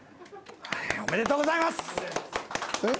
おめでとうございます。